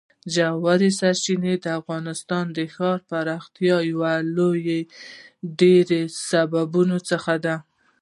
ژورې سرچینې د افغانستان د ښاري پراختیا یو له ډېرو لویو سببونو څخه ده.